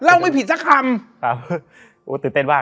เล่าไม่ผิดสักคำ